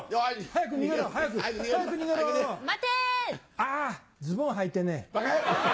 あズボンはいてねえ。